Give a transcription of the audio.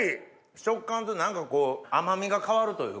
食感と何かこう甘みが変わるというか。